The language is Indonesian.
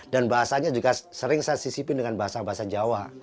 dan bahasanya juga sering saya sisipin dengan bahasa bahasa jawa